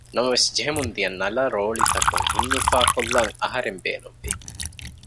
ނަމަވެސް ޖެހެމުންދިޔަ ނަލަ ރޯޅިތަކުން ހިތްއުފާކޮށްލަން އަހަރެން ބޭނުންވި